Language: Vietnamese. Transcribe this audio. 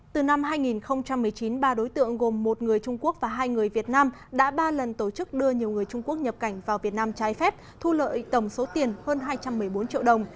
từ năm hai nghìn một mươi chín ba đối tượng gồm một người trung quốc và hai người việt nam đã ba lần tổ chức đưa nhiều người trung quốc nhập cảnh vào việt nam trái phép thu lợi tổng số tiền hơn hai trăm một mươi bốn triệu đồng